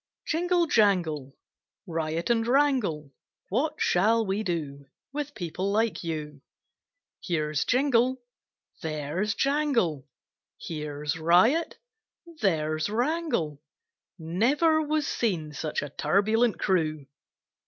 JINGLE, jangle! Riot and wrangle! What shall we do With people like you? Here's Jingle! There's Jangle! Here's Riot! There's Wrangle! Never was seen such a turbulent crew!